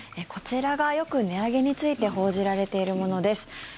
こちらがよく値上げについて報じられているものです。